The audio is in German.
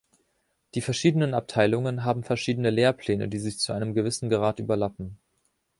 Die verschiedenen Abteilungen haben verschiedene Lehrpläne, die sich zu einem gewissen Grad überlappen.